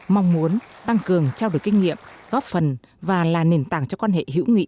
mong muốn tăng cường trao đổi kinh nghiệm góp phần và là nền tảng cho quan hệ hữu nghị